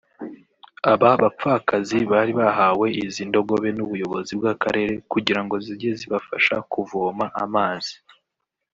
Aba bapfakazi bari bahawe izi ndogobe n’ubuyobozi bw’akarere kugira ngo zijye zibafasha kuvoma amazi